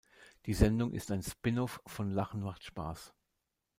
Die Sendung ist ein Spin-off von Lachen macht Spaß.